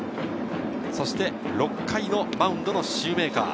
そして６回のマウンドのシューメーカー。